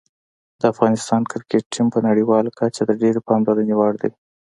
د افغانستان کرکټ ټیم په نړیواله کچه د ډېرې پاملرنې وړ دی.